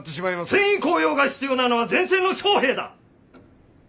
戦意高揚が必要なのは前線の将兵だ！